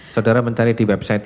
saudara mencari di website